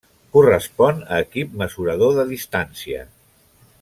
Correspon a Equip mesurador de distància.